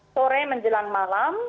sore menjelang malam